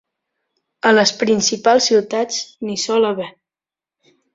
A les principals ciutats n'hi sol haver.